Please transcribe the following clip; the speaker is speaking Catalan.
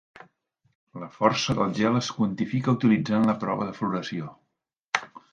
La força del gel es quantifica utilitzant la prova de floració.